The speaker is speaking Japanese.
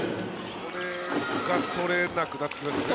これが取れなくなってきますよね